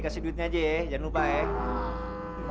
kasih duitnya aja ya jangan lupa ya